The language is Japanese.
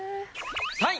３位。